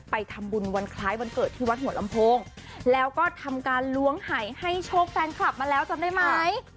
ไปทำบุญวันคล้ายวันเกิดที่วัดหัวลำโพงแล้วก็ทำการล้วงหายให้โชคแฟนคลับมาแล้วจำได้ไหม